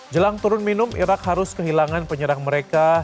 jelang turun minum irak harus kehilangan penyerang mereka